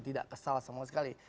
tidak kesal sama sekali